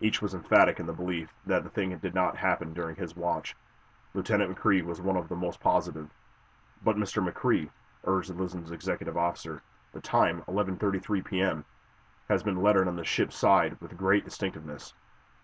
Each was emphatic in the belief that the thing did not happen during his watch. Lieutenant McCrea was one of the most positive. "But, Mr. McCrea," urged the "Luzon's" executive officer, "the time, '11.33 P.M.,' has been lettered on the ship's side with great distinctness."